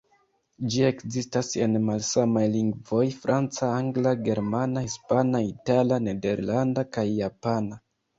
Ĝi ekzistas en malsamaj lingvoj: franca, angla, germana, hispana, itala, nederlanda kaj japana.